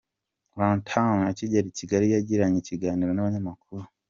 Run Town akigera i Kigali yagiranye ikiganiro n'abanyamakuru.